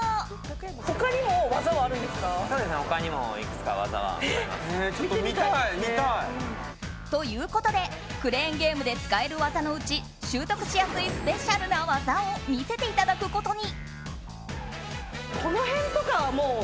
他にもいくつか技がございます。ということでクレーンゲームで使える技のうち習得しやすいスペシャルな技を見せていただくことに。